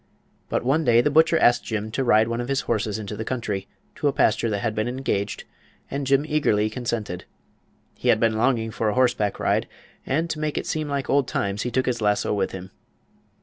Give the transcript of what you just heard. But one day the butcher asked Jim to ride one of his horses into the country, to a pasture that had been engaged, and Jim eagerly consented. He had been longing for a horseback ride, and to make it seem like old times he took his lasso with him.